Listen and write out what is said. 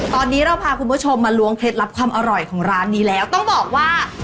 ตอนนี้เราพาคุณผู้ชมมาล้วงเคล็ดลับความอร่อยของร้านนี้แล้วต้องบอกว่า